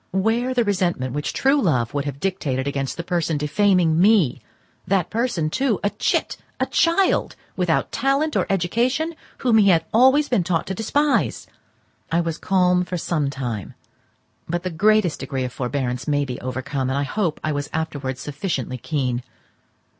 Where the resentment which true love would have dictated against the person defaming me—that person, too, a chit, a child, without talent or education, whom he had been always taught to despise? I was calm for some time; but the greatest degree of forbearance may be overcome, and I hope I was afterwards sufficiently keen.